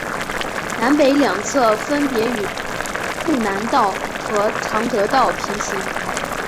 南北两侧分别与睦南道和常德道平行。